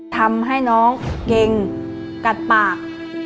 ทำให้น้องเก่งกัดปาก